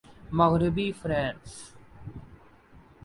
مغربی فریسیئن